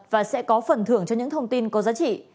và sẽ có phần thưởng cho những thông tin có giá trị